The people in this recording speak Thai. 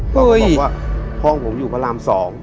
ก็บอกว่าห้องผมอยู่พระราม๒